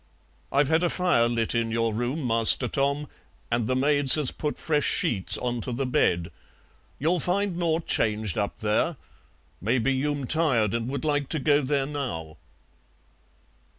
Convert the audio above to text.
I've had a fire lit in your room, Master Tom, and the maids has put fresh sheets on to the bed. You'll find nought changed up there. Maybe you'm tired and would like to go there now."